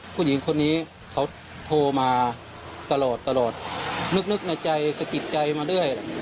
ผู้หญิงคนนี้เขาโทรมาตลอดนึกในใจสกิดใจมาแด้